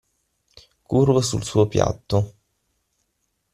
Curvo sul suo piatto.